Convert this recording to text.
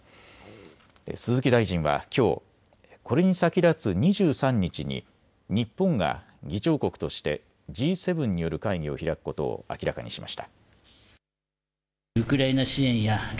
鈴木大臣はきょう、これに先立つ２３日に日本が議長国としてＧ７による会議を開くことを明らかにしました。